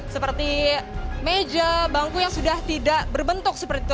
seperti meja bangku yang sudah tidak berbentuk seperti itu